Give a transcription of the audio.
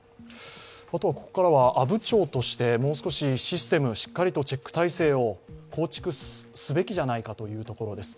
ここからは阿武町としてもう少しシステム、しっかりとチェック体制を構築すべきじゃないかというところです。